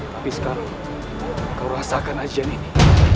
tapi sekarang kau rasakan ajang ini